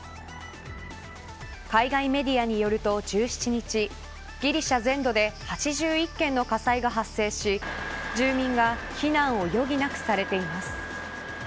海外メディアによると、１７日ギリシャ全土で８１件の火災が発生し住民が避難を余儀なくされています。